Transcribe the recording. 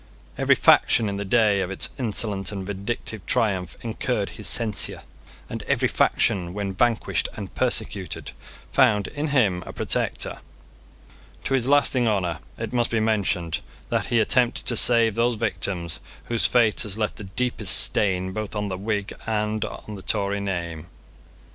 Every faction in the day of its insolent and vindictive triumph incurred his censure; and every faction, when vanquished and persecuted, found in him a protector. To his lasting honour it must be mentioned that he attempted to save those victims whose fate has left the deepest stain both on the Whig and on the Tory name.